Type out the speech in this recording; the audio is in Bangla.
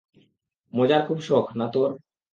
মজার খুব শখ না তোর?